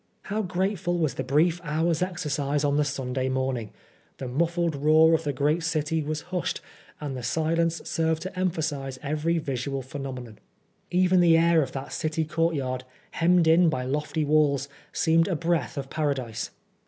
How grateful was the brief hour's exercise on the Sunday morning 1 The muf&ed roar of the great city was hushed, and the silence served to emphasise every Visual phenomenon. Even the air of that city court yard, hemmed in by lofty walls, seemed a breath of Paradise.